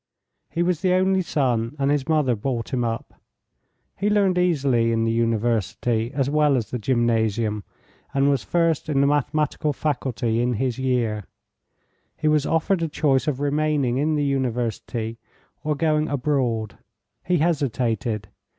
He was the only son, and his mother brought him up. He learned easily in the university, as well as the gymnasium, and was first in the mathematical faculty in his year. He was offered a choice of remaining in the university or going abroad. He hesitated.